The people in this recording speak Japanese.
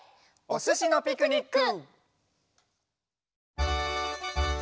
「おすしのピクニック」！